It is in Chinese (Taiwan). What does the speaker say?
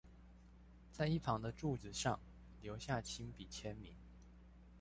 在一旁的柱子上留下親筆簽名